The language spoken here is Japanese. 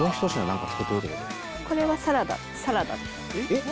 えっ？